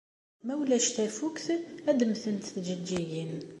Ma ulac tafukt, ad mmtent tjeǧǧigin.